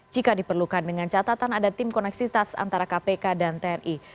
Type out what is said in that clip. jika diperlukan dengan catatan ada tim koneksitas antara kpk dan tni